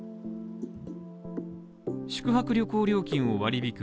宿泊旅行料金を割り引く